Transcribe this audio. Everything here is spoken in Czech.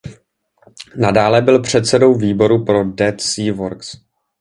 Nadále byl předsedou podvýboru pro Dead Sea Works.